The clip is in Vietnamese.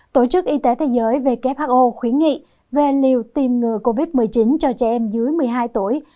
tổ chức y tế thế giới who khuyến nghị về liều tiêm ngừa covid một mươi chín cho trẻ em dưới một mươi hai tuổi